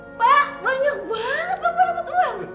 pak banyak banget bapak dapat uang